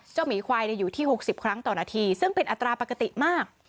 หมีควายอยู่ที่๖๐ครั้งต่อนาทีซึ่งเป็นอัตราปกติมาก